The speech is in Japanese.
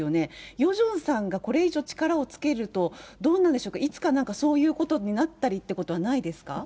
ヨジョンさんがこれ以上力をつけると、どうなんでしょうか、いつかなんか、そういうことになったりってことはないですか？